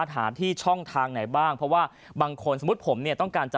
คุณสินทะนันสวัสดีครับ